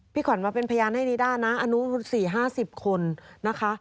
พี่ขวัญมาเป็นพยานให้นีด้านะอันนู้สี่ห้าสิบคนนะคะ